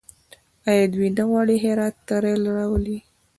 آیا دوی نه غواړي هرات ته ریل راولي؟